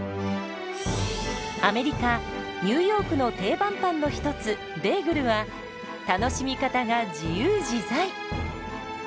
アメリカ・ニューヨークの定番パンの一つベーグルは楽しみ方が自由自在！